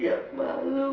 tidak aku mau ke rumah